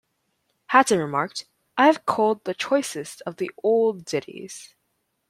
Hatton remarked, 'I have culled the choicest of the old ditties...